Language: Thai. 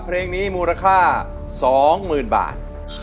เพลงนี้มูลค่า๒๐๐๐บาท